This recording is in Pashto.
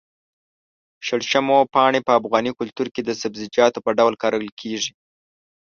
شړشمو پاڼې په افغاني کلتور کې د سبزيجاتو په ډول کرل کېږي.